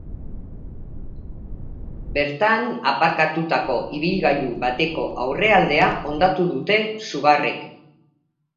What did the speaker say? Bertan aparkatutako ibilgailu bateko aurrealdea hondatu dute sugarrek.